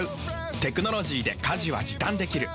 テクノロジーで家事は時短できる。